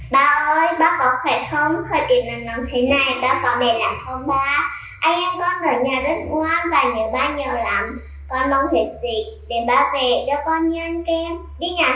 ba ơi ba có khỏe không khỏe kỳ nằm nằm thế này ba có bề nằm không